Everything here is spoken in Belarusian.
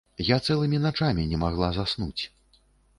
Я цэлымі начамі не магла заснуць.